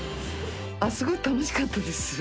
すごい楽しかったです。